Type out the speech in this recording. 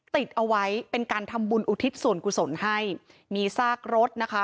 ติดเอาไว้เป็นการทำบุญอุทิศส่วนกุศลให้มีซากรถนะคะ